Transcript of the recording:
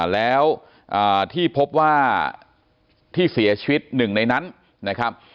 แล้วที่พบว่าที่เสียชีวิตหนึ่งในนั้นนะครับ